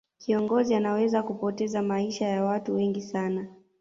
kiongozi anaweza kupoteza maisha ya watu wengi sana